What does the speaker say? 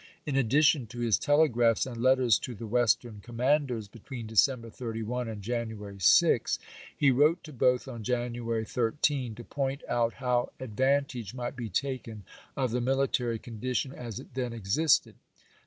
In addi tion to his telegrams and letters to the Western commanders between December 31 and January 6, he wrote to both on January 13 to point out how 1862. advantage might be taken of the military condition as it then existed.